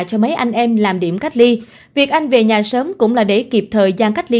cho mấy anh em làm điểm cách ly việc anh về nhà sớm cũng là để kịp thời gian cách ly